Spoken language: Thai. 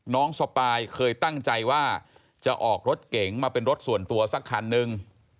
สปายเคยตั้งใจว่าจะออกรถเก๋งมาเป็นรถส่วนตัวสักคันนึง